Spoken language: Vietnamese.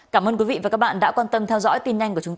cảm ơn quý vị đã quan tâm theo dõi